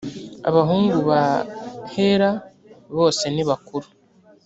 abahungu ba hela bose nibakuru.